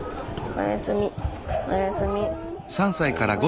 おやすみ。